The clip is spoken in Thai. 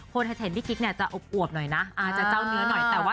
คนเห็นพี่กิ๊กจะอบหน่อยนะจะเจ้าเนื้อหน่อย